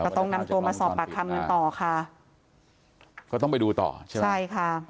ต้องนำตัวมาสอบปากคำกันต่อค่ะก็ต้องไปดูต่อใช่ไหมใช่ค่ะ